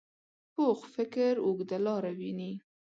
پوخ فکر اوږده لاره ویني